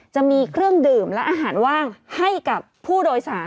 จะมีเครื่องดื่มและอาหารว่างให้กับผู้โดยสาร